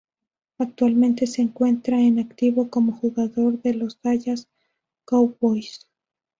Actualmente se encuentra en activo como jugador de los Dallas Cowboys.